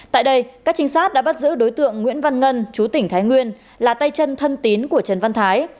tại đây các trinh sát đã bắt giữ đối tượng nguyễn văn ngân chú tỉnh thái nguyên là tay chân thân tín của trần văn thái